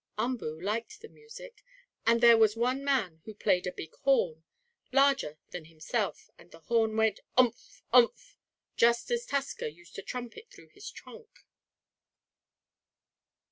Umboo liked the music, and there was one man who played a big horn larger than himself, and the horn went: "Umph umph!" just as Tusker used to trumpet through his trunk.